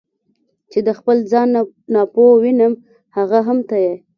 چې د خپل ځان نه ناپوه وینم هغه هم ته یې.